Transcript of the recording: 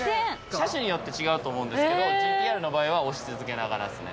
車種によって違うと思うんですけどＧＴ−Ｒの場合は押し続けながらっすね。